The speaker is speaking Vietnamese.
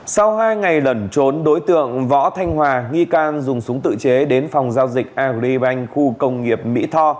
sau hai ngày lẩn trốn đối tượng võ thanh hòa nghi can dùng súng tự chế đến phòng giao dịch agribank khu công nghiệp mỹ tho